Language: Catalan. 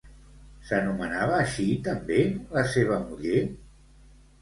S'anomenava així també la seva muller?